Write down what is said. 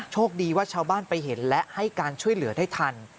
โชคดีว่าชาวบ้านไปเห็นและให้การช่วยเหลือได้ทัน